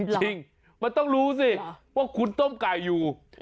จริงมันต้องรู้สิว่าคุณต้มไก่อยู่